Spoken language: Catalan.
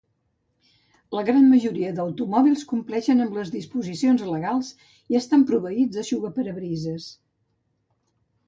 La gran majoria d'automòbils compleixen amb les disposicions legals i estan proveïts d'eixugaparabrises.